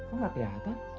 kok ga keliatan